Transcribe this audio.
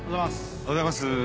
おはようございます。